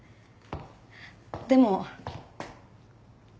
でも。